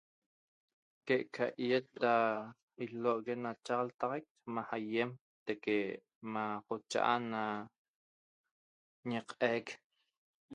Que eca iet ma ilohogue ma l'chaltaxaq ma aiem teque ma cochaa ñeqhaiq